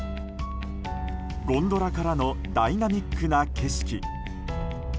ゴンドラからのダイナミックな景色。